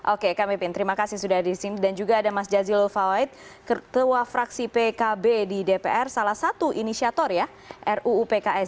oke kang pipin terima kasih sudah di sini dan juga ada mas jazilul fawait ketua fraksi pkb di dpr salah satu inisiator ya ruu pks